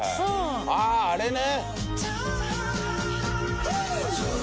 あああれね！